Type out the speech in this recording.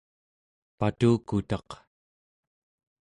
patukutaq